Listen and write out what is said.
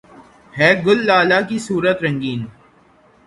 ہیں گل لالہ کی صورت رنگیں